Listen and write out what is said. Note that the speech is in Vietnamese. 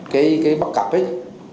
cái bắt cặp ấy